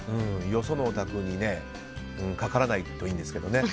よそのお宅にかからないといいんですけどね。